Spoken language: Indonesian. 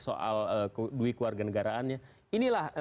soal duit kewarganegaraannya inilah